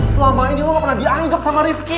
selama ini lo gak pernah dianggap sama rifki